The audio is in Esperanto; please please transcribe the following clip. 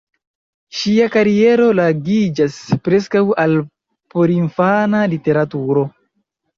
Ŝia kariero ligiĝas preskaŭ al porinfana literaturo.